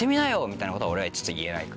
みたいなことは俺はちょっと言えない。